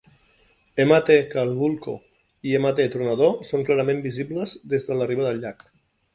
Mt. Calbuco i Mt. Tronador són clarament visibles des de la riba del llac.